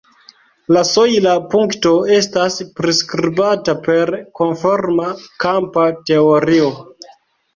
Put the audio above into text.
La sojla punkto estas priskribata per konforma kampa teorio.